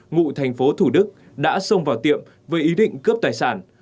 ngụ tp thủ đức đã xông vào tiệm với ý định cướp tài sản